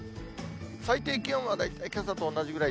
最低気温は大体けさと同じぐらい。